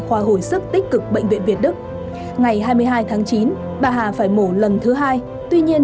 khoa hồi sức tích cực bệnh viện việt đức ngày hai mươi hai tháng chín bà hà phải mổ lần thứ hai tuy nhiên